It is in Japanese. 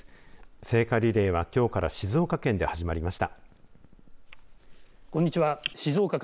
聖火リレーは、きょうから静岡県で始まりました。